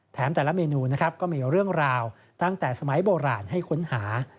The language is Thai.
แต่ละเมนูนะครับก็มีเรื่องราวตั้งแต่สมัยโบราณให้ค้นหา